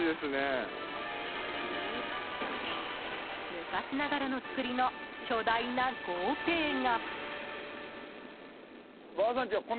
昔ながらの造りの巨大な豪邸が。